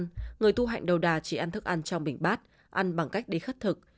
thứ ba người thu hạnh đầu đà chỉ ăn thức ăn trong bình bát ăn bằng cách đi khất thực